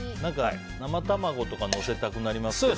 生卵とかのせたくなりますね。